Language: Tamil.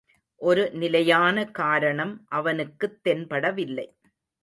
ஒரு நிலையான காரணம் அவனுக்குத் தென்படவில்லை.